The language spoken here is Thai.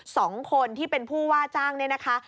สองคนที่เป็นผู้ว่าจ้างเนี่ยนะคะ